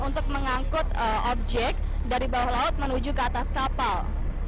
untuk mengangkut objek dari bawah laut menuju ke atas kapal